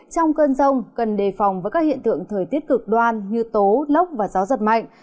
trong cơn rông cần đề phòng với các hiện tượng thời tiết cực đoan như tố lốc và gió giật mạnh